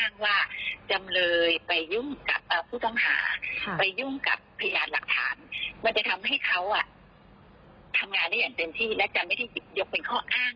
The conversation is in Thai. และไม่ได้ยกเป็นข้ออ้างในขั้นพิจารณา